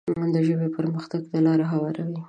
د ژبې پرمختګ ته لاره هواروي.